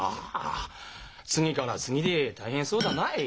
あ次から次で大変そうだない。